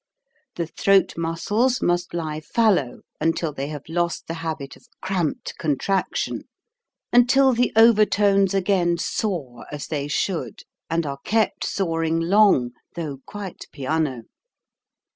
The throat muscles must lie fallow until they have lost the habit of cramped contraction; until the overtones again soar as they should, and are kept soaring long, though quite piano.